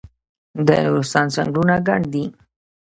د نورستان ځنګلونه ګڼ دي